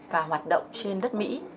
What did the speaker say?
và hoạt động trên đất mỹ